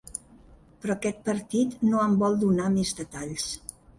Però aquest partit no en vol donar més detalls.